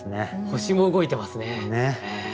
星も動いてますね。